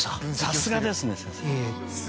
さすがですね先生。